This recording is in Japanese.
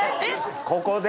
ここで？